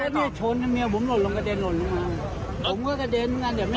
แล้วคุณยายของข้านี่นั่งไหนหรือว่านั่งไหน